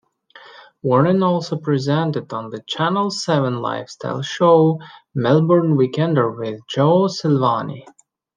Warren also presented on the Channel Seven lifestyle show "Melbourne Weekender" with Jo Silvagni.